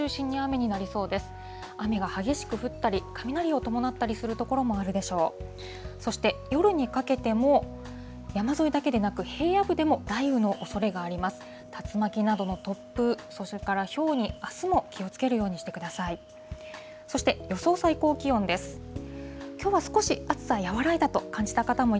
竜巻などの突風、それからひょうに、あすも気をつけるようにしてください。